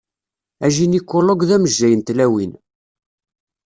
Ajinikulog d amejjay n tlawin.